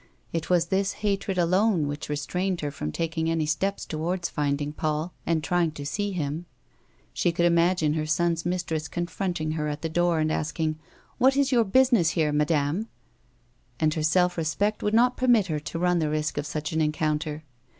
It was this hatred alone which restrained her from taking any steps towards finding Paul and trying to see him. She could imagine her son's mistress confronting her at the door and asking, " What is your business here, madame ^" and her self respect would not permit her to run th» risk of such an encounter.